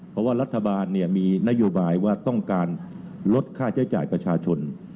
เพราะว่ารัฐบาลมีนโยบายว่าต้องการลดค่าใช้จ่ายประชาชน